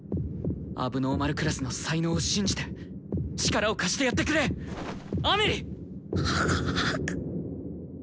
問題児クラスの才能を信じて力を貸してやってくれアメリ！